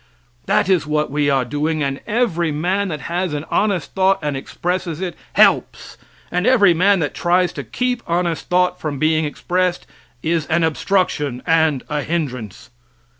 That is what we are doing, and every man that has an honest thought and expresses it, helps, and every man that tries to keep honest thought from being expressed is an obstruction and a hindrance.